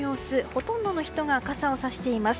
ほとんどの人が傘をさしています。